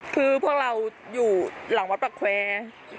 คือพวกเราอยู่หลังวัดประแควร์